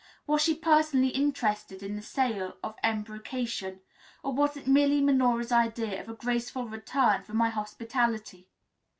Was she personally interested in the sale of embrocation? Or was it merely Minora's idea of a graceful return for my hospitality?